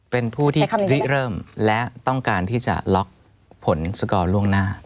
เป็นผู้ที่ริเริ่มและต้องการที่จะล็อกผลสกอร์ล่วงหน้า